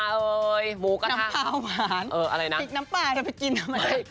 น้ำพร้าวหวานพริกน้ำปลาจะไปกินน่ะมั้ย